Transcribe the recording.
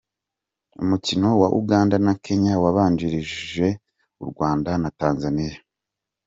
Umukino wa Uganda na Kenya wabanjirije uw'u Rwanda na Tanzania .